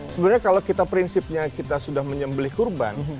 sebenarnya kalau kita prinsipnya kita sudah menyembelih kurban